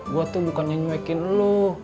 gue tuh bukannya cuekin lo